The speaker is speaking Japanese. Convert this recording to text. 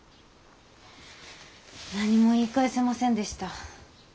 何も言い返せませんでした。